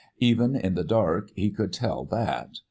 Even in the dark he could tell that.